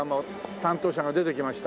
担当者が出てきました。